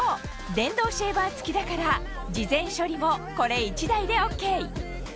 電動シェーバー付きだから事前処理もこれ１台でＯＫ！